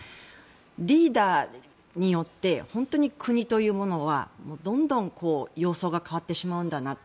リーダーによって本当に国というものはどんどん様相が変わってしまうんだなと。